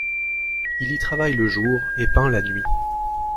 Il y travaille le jour et peint la nuit.